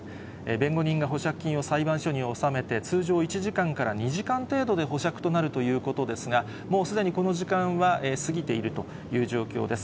弁護人が保釈金を裁判所に納めて、通常１時間から２時間程度で保釈となるということですが、もうすでにこの時間は過ぎているという状況です。